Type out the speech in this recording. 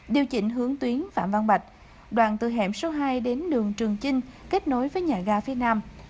điều chỉnh hướng tuyến phạm văn bạch đoạn từ hẻm số hai đến đường trường chinh kết nối với nhà ga phía nam